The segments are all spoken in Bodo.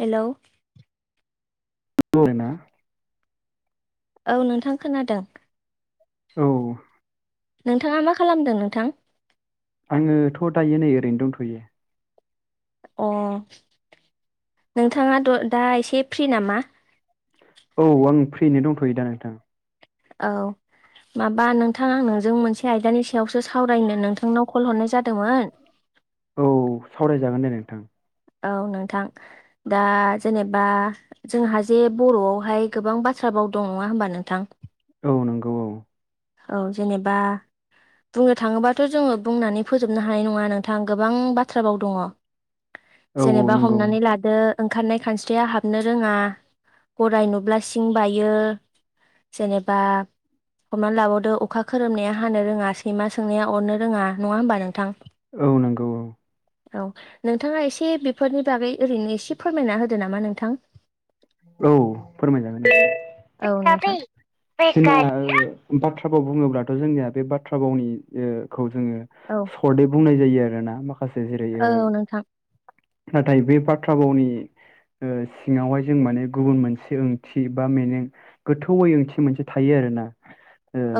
हेलौ [unintelligible] औ नोंथां खोनादों। औ नोंथाङा मा खालामदों नोंथां? आङोथ' दायो नै ओरैनो दंथ'यो। अ नोंथाङा द दा एसे फ्रि नामा? औ आं फ्रिनो दंथ'यो दा नोंथां। औ माबा नोंथां आं नोंजों मोनसे आयदानि सायावसो सावरायनो नोंथांनाव कल हरनाय जादोंमोन। औ सावरायजागोन दे नोंथां। औ नोंथां दा जेनेबा जोंहा जे बर'आवहाय गोबां बाथ्रा बाव दं नङा होनबा नोंथां? औ नंगौ औ। औ जेनेबा बुंनो थाङोबाथ' जोङो बुंनानै फोजोबनो हानाय नङा नोंथां गोबां बाथ्राबाव दङ। औ जेनेबा नंगौ हमनानै लादो। ओंखारनाय खानस्रिया हाबनो रोङा गराय नुब्ला सिं बायो। जेनेबा हमनानै लाबावदो अखा खोरोमनाया हानो रोङा सैमा सोंनाया अरनो रोङा नङा होनबा नोंथां। औ नोंगौ औ। औ नोंथाङा एसे बेफोरनि बागै ओरैनो एसे फोरमायना होदो नामा नोंथां। औ फोरमायजागोन। औ नोंथां बाथ्रा बाव बुङोब्लाथ' जोंनिया बे बाथ्रा बावनिखौ ओंथिखौ जोङो औ सर्टयै बुंनाय जायो आरोना माखासे जेरै ओ। औ नोंथां नाथाय बे बाथ्रा फावनि ओ सिङावहाय। जों माने गुबुन मोनसे ओंथि बा मेनिं गोथौ ओंथि मोनसे थायो आरोना।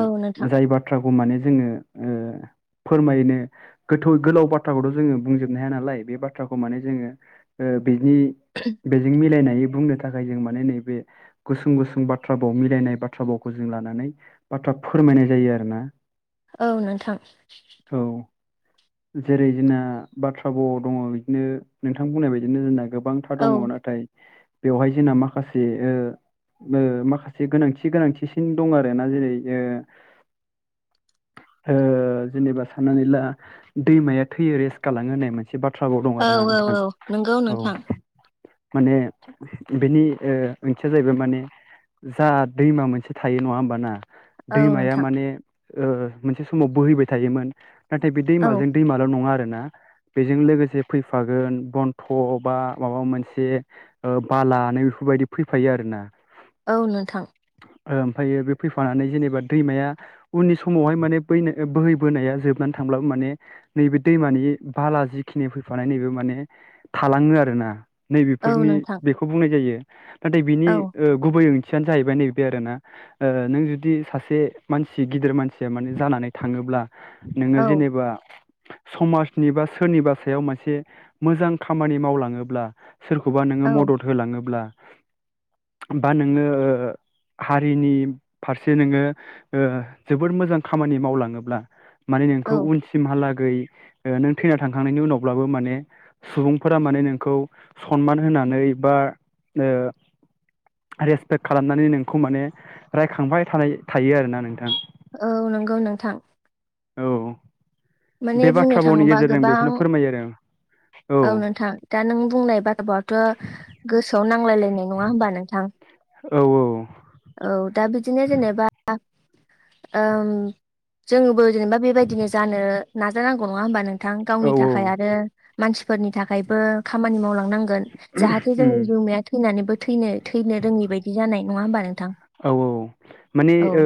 औ नोंथां जाय बाथ्राखौ माने जोङो ओ। फोरमायनो गोथौ गोलाव बाथ्राखौथ' जोङो बुंजोबनो हाया नालाय बे बाथ्राखौ माने जोङो ओ। बिनि बेजों मिलायनाय। बुंनो थाखाय जों माने नैबे गुसुं गुसुं बाथ्रा बाव मिलायनाय बाथ्रा बावखौ जों लानानै बाथ्रा। फोरमायनाय जायो आरो ना। औ नोंथां। जेरै जोंना बाथ्रा बावाव दङ बिदिनो नोंथां बुंनाय बायदिनो जोंना गो गोबांथा औ दङ नाथाय बेवहाय जोंना माखासे ओ ओ माखासे गोनांथि गोनांथिसिन दं आरोना जेरै ओ ओ जेनेबा साननानै ला दैमाया थैयो रेस्ट गलाङो होननाय मोन से बाथ्रा बाव दं औ आरोना औ नोंथां औ नंगौ औ। नोंथां माने बेनि ओ ओंथिया जाहैबाय माने जा दैमा मोनसे थायो नङा होमबाना औ दैमाया नोंथां माने ओ मोनसे समाव बोहैबाय थायोमोन। नाथाय बे औ दैमाजों दैमाल' नङा आरो ना। ना बेजों लोगोसे फैफागोन बन्थ' बा माबा मोनसे ओ बाला बेफोरबायदि फैफायो आरो ना। औ नोंथां। ओ ओमफायो बे फैफानानै जेनेबा दैमाया उननि समावहाय माने बोहैबोनाया जोबनानै थांब्लाबो माने नैबे दैमानि बाला जिखिनि फैफानाय नैबे माने थालाङो आरोना। औ नैबेफोरनि नोंथां बेखौ बुंनाय जायो नाथाय बिनि औ ओ गुबै ओंथि थिया जाहैबाय नैबे आरोना ओ नों जुदि सासे मानसि गिदिर मानसिया माने जानानै थाङोब्ला नोङो औ जेनेबा समाजनि बा सोरनिबा सायाव मोनसे मोजां खामानि मावलाङोब्ला सोरखौबा नोङो औ म ब्ला होनबा नोङो हारिनि फारसे नोङो ओ जोबोद मोजां खामानि मावलाङोब्ला माने नोंखौ औ उनसिमहालागै गै ओ नों थैना थांखांनायनि उनावब्लाबो माने सुबुंफोरा माने नोंखौ सनमान होनानै बा ओ रेसपेक्ट खालामनानै नोंखौ माने रायखांबाय थानाय थायो आरोना नोंथां। औ नोंगौ नोंथां। औ माने बे बुंनो बाथ्रा बावनि थाङोबा गेजेरजों गोबां बेखौनो फोरमायो आरो। औ नोंथां दा नों बुंनाय बाथा बावआथ' गोसोआव नांलायलायनाय नङा होमबा नोंथां। औ औ। औ दा बिदिनो जेनेबा ओम जोंबो जेनेबा बेबायदिनो जानो नाजानांगौ नङा होमबा नोंथां औ गावनि थाखाय आरो मानसिफोरनि थाखायबो खामानि मावलांनां गोन जाहाथे उम जोंनि जिमाया थैनानैबो थै-थैनो रोङै बायदि जानाय नङा होनबा नों औ औ माने ओ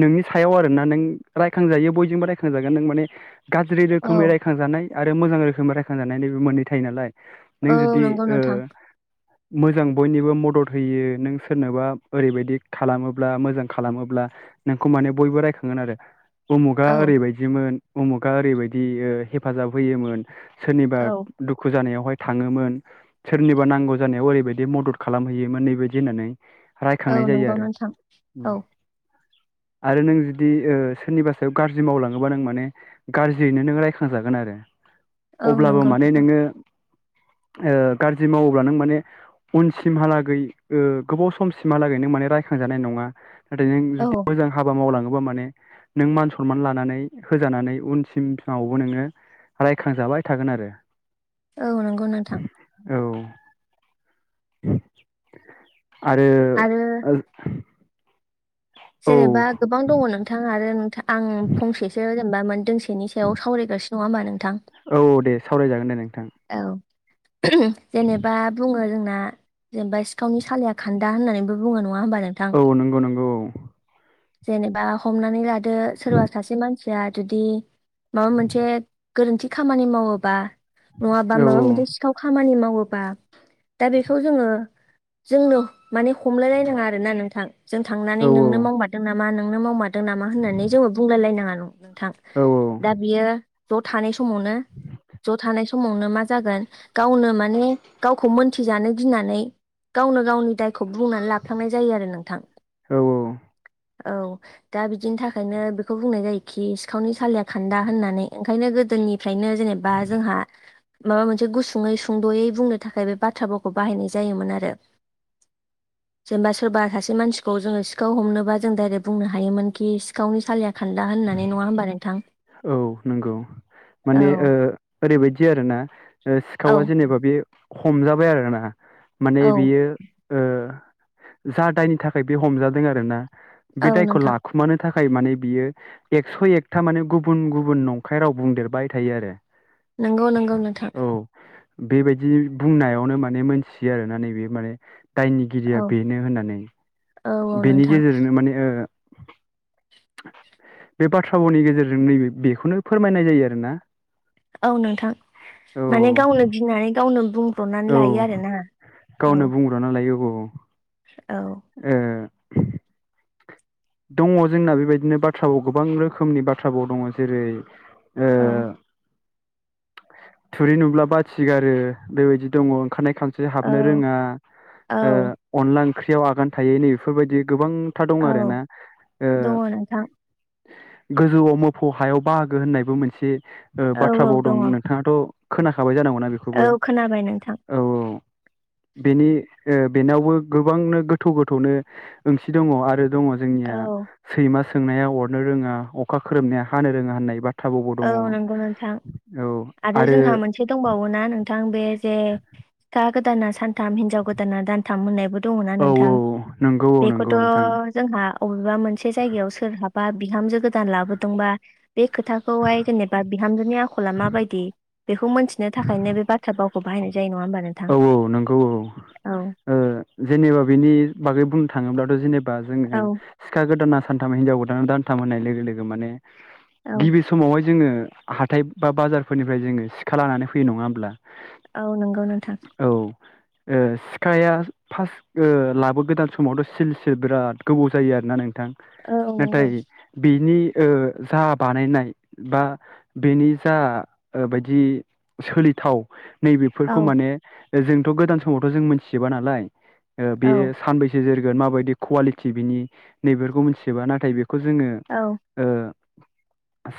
नोंनि सायाव आरोना नों रायखांजायो बयजोंबो रायखांजागोन नों माने गाज्रि औ रोखोमै रायखांजानाय आरो मोजां रोखोमै रायखांजानायनि मोननै थायो नालाय नों औ जुदि नंगौ ओ नोंथां मोजां बयनिबो मदद होयो नों सोरनोबा ओरैबायदि खालामोब्ला मोजां खालामोब्ला नोंखौ माने बयबो रायखांगोन आरो उमुगा औ ओरैबायदिमोन उमुगा ओरैबायदि हेफाजाब होयोमोन। सोरनिबा औ दुखु जानायावहाय थाङोमोन सोरनिबा नांगौ जानायाव ओरैबायदि मदद खालामहैयोमोन नै बेबायदि होननानै। औ रायखांनाय जायो नंगौ आरो। नोंथां उम औ। आरो नों जुदि सोरनिबा सायाव गाज्रि मावलाङोबा नों माने गाज्रियैनो नों रायखां जागोन आरो। [inaudible] अब्लाबो नंगौ माने नोंथां नोङो गाज्रि मावोब्ला नों माने उनसिमहालागै गोबाव समसिमहालागै नों माने राय खांजानाय नङा नाथाय नों औ जुदि मोजां हाबा मावलाङो बा माने नों मान सनमान लानानै होजानानै उनसिमङावबो नोङो रायखांजाबाय थागोन आरो। औ नंगौ नोंथां। औ। [inaudible] आरो आरो ओ जेनेबा गोबां दङ नोंथां आरो आं फंसेसो बामोन दोंसेनि सायाव सावरायगासिनो नङा होमबा नों औ दे सावराय जागोन दे नोंथां। औ जेनेबा बुङो जोंना जेनेबा सिखावनि सालाया खान्दा होननानैबो बुङो न औ नंगौ नंगौ औ। जेनेबा हमनानै लादो सोरबा सासे मानसिया जुदि माबा मोनसे गोरोन्थि खामानि मावोबा नङाबा औ माबा मोनसे सिखाव खामानि मावोबा दा बेखौ जोङो जोंनो माने हमलायलायनाङा आरोना नोंथां जों थांनानै औ नोंनो मावमारदों नामा नोंनो मावमारदों नामा होननानै जोंबो बुंलाय लायनाङा नोंथां दा बियो ज' थानाय समावनो ज' थानाय समावनो मा जागोन गावनो माने गावखौ मोनथिजानो गिनानै गावनो गावनि दायखौ बुंनानै लाफ्लांनाय जायो आरो नोंथां। औ औ। औ दा बिदिनि थाखायनो बेखौ बुंनाय जायोखि सिखावनि सालिया खान्दा होननानै ओंखायनो गोदोनि फ्रायनो जेनेबा जोंहा माबा मोनसे गुसुङै सुंद'यै बुंनो थाखाय बे बाथ्राफोरखौ बाहायनाय जायोमोन आरो। जेनेबा सोरबा सासे मानसिखौ जोङो सिखाव हमनोबा जों डाइरेक्ट बुंनो हायोमोन कि सिखावनि सालाया खान्दा होननानै नङा होमबा। नोंथां औ नंगौ। औ माने ओ ओरैबायदि आरोना औ सिखावा जेनेबा बे हमजाबाय आरोना माने औ बियो ओ जा दायनि थाखाय बे हमजादों आरोना बे औ दायखौ नोंथां लाखुमानो था थाखाय माने बियो एकस' एकथा माने गुबुन गुबुन नंखाय राव बुंदेरबाय थायो आरो। नंगौ नंगौ नोंथां औ बेबायदि बुंनायावनो माने मोनथियो आरोना नैबे माने दायनिगिरिया औ बेनो होननानै। औ औ बेनि नोंथां गेजेरजोंनो माने ओ [inaudible] बे बाथ्रानि भावनि गेजेर जों नैबे बेखौनो फोरमायनाय जायो आरोना। औ नोंथां। माने गावनो गिनानै गावनो ब्रनानै औ लायो औ आरोना औ। गावनो बुंग्रोना लायो औ औ ओ [inaudible] दङ जोंना बेबायदिनो बाथ्रा भाव गोबां रोखोमनि बाथ्रा भाव दङ जेरै ओ औ। थुरि नुब्ला बाथि गारो बेबायदि दङ ओंखारनाय खान स्रि हाबनो औ रोङा। ओ औ अनला ओंख्रियाव आगान थायै नै बेफोरबायदि गोबांथा दं औ आरो ना। दङ नोंथां गोजौआव मोफौ हायाव बाहागो होननायबो मोनसे ओ औ बाथ्रा औ बावदों दङ नोंथाङाथ' खोनाखाबाय जानांगौना बेखौबो? औ खोनाबाय नोंथां औ औ बेनि ओ बेनावबो गोबांनो गोथौ गोथौनो ओंथि दङ आरो दङ औ जोंनिया सैमा सोंनाया अरनो रोङा, अखा खोरोमनाया हानो रोङा होननाय बा औ नंगौ नोंथां आरो जोंहा मोनसे दंबावो ना नोंथां बे जे सिखा गोदाना सानथाम हिनजाव गोदाना दानथाम मोननाय बो दङ ना औ नोंथां? नंगौ औ नंगौ बेखौथ' नोंथां जोंहा अबेबा मोनसे जायगायाव सोरहा बा बिहामजो गोदान लाबोदोंबा बे खोथा खौहाय जेनेबा बिहामजोनि आखला मा बायदि बेखौ मिथिनो थाखायनो बे बाथ्रा बावखौ बाहायनाय जायो नङा होमबा नोंथां औ औ नोंगौ औ जेनेबा ओ बेनि बागै बुंनो थाङोब्लाथ' जेने बा औ जोङो सिखा गोदाना सानथाम हिनजाव गोदाना दानथाम होननाय लोगो लोगो माने औ गिबि समावहाय जोङो हाथाय बा बाजारफोरनिफ्राय जोङो सिखा लानानै फैयो नङा होमब्ला औ नंगौ नोंथां औ ओ सिखाया फार्स्ट लाबो गोदान समावथ' सिल सिल बिराद गोबाव जायो आरोना नं बिथां औ नंगौ नाथाय बिनि जा बानायनाय बा बेनि जा बायदि सोलि थाव नै औ जोंथ' गोदान समावथ' जों मोनथिा नालाय बे औ सानबस जेर ोन माबायदि कुवालिटि बिनि नैबेफोरखौ मिथियोोबा नाथाय बेखौ जोङो औ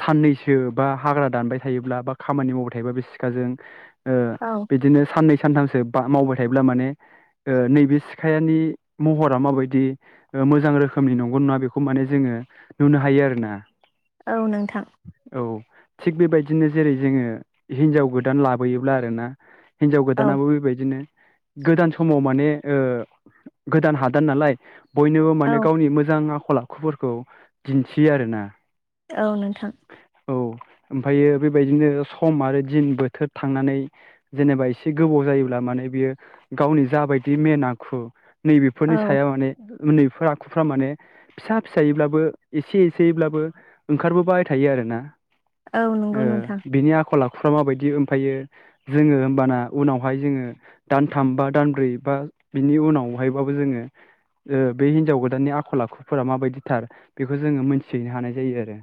साननैसो बा हाग्रा दानबाय थायोब्ला बा खामानि मावबाय थायोब्ला बे सिखाजों औ बिदिनो साननै सानथामसो मावबाय थायोब्ला माने नैबे सिखायानि महरा माबायदि मोजां रोखोमनि नंगौ नङा बेखौ माने जोङो नुनो हायो आरोोना औ नोंथां थिग बेबायदिनो जेरै जोङो हिनजाव गोदान लाबोयोब्ला आरो ना हिन्जाव औ गोदानाबो बेबायदिनो गोदान समाव माने गोदान हादान नालाय बयनोबो औ माने गावनि मोजां आखल आखुफोरखौ दिन्थियो आर ना औ नोंथां ओमफ्रायो बेबायदिनो सम आरो दिन बोथोर थांनानै जेनेबा एसे गोबाव जायोब्ला माने बियो गावनि जाबायदि मेेन आखु नैबेफोरनि औ साया माने उन्दैफोर आखुफ्रा माने फिसा फिसायैब्लाबो एसे एसेयैब्लाबो ओंखारबोबायबाय थायो आरो ोना औ नंगौ नोंथां बिनि आखल आखुफ्रा माबायदि ओमफ्रायायो जोङो होमबाना उनावहाय जोङो दानथाम बा दानब्रै बा बिनि उनावहायबाबो जोङो बे हिनजाव गोदाननि आखल आखुफोरा माबायदिथार बेखौ जोङो मोनथिहैनो हानाय जायो आरो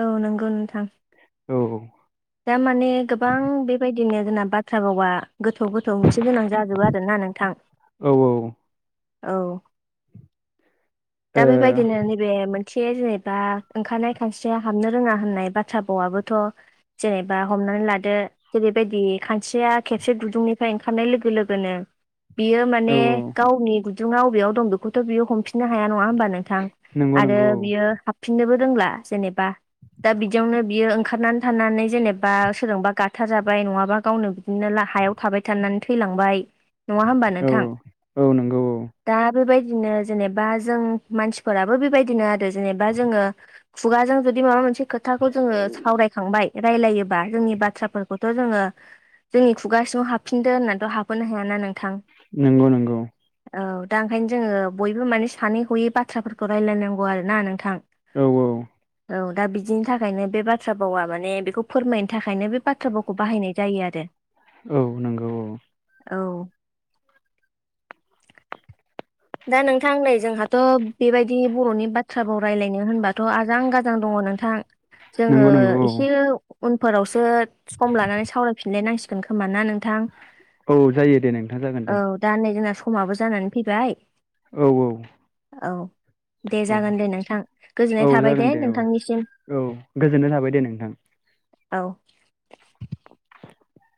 औ नंगौ नोंथां औ दारमाने गोबां बेबायदिनो जोंना बाथ्रा बावा गोथौ गोथौ ओंथि गोनां जाजोबो आरोना नोंथां औ औ दा ओ बेबायदिनो नैबे मोनसे थे जेनेबा ओंखारनाय खानस्रिया हाबनो रोङा होननाय बाथ्रा बावाबोथ' जेनेबा हमनानै लादो जेरैबायदि खानस्रिया खेबसे दुदुंनिफ्राय ओंखारनाय लोगो लोगोनो बियो औ माने गावनि गुदुङा बबेयाव दं बेखौथ' बियो हमफिननो हाया। नङा हबा नोंथां नंगौ आरो नंगौ बियो हफिननोबो रोंला जेनेबा दा बिदियावनो बियो ओंखारनानै थानानै जेनेबा सोरजोंबा गाथारजाबाय नङाबा गावनो बिदिनो हायाव थाबाय थानानै थैलांबाय नङा होमबा औ नोंथां औ नंगौ औ दा बेबायदि बिदिनो जेनेबा जों मानसिफोराबो बेबायदिनो आरो जेनेबा जोङो खुगाजों जुदि माबा मोनसे खोथाखौ जोङो सावरायखांबाय रायलायोबा जोंनि बाथ्राफोरखौथ' जोङो। जोंनि खुगासिङाव हाफिनदो होननानैथ' हाबहोनो हायाना नोंथां। नंगौ नंगौ। औ दा ओंखायनो जोङो बयबो माने सानै हयै बाथ्राफोरखौ रायजलायनांगौ आरो ना नोंथां? औ औ। औ दा बिदिनि थाखायनो बे बाथ्रा भावा माने बेखौ फोरमायनो थाख खायनो बे बाथ्राफावखौ बाहायनाय जायो आरो औ नंगौ औ औ। दा नोंथां नै जोंहाथ' बेबायदि बर'नि बाथ्राबाव रायलायनो होनबाथ' आजां गाजां दङ। नोंथां जोङो नंगौ नंगौ एसे उनफोरावसो सम लानानै सावरायफिनलायनांसिग गोन खोमा ना नोंथां? औ जायो दे नोंथां जागोन दे‌। खमाबो जानानै फैबाय। औ औ। औ दे औ जागोन दे नोंथां औ गोजोननाय थाबाय जागोन दे औ नोंथां निसिम। औ गोजोननाय थाबाय दे नोंथां। औ। [inaudible]